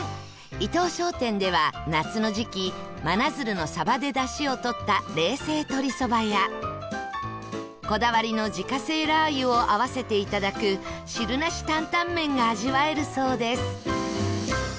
伊藤商店では夏の時期真鶴のサバで出汁をとった冷製鶏そばやこだわりの自家製ラー油を合わせていただく汁なし担々麺が味わえるそうです